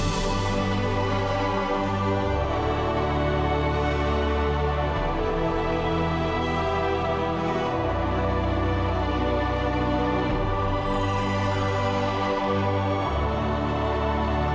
pergi ke sana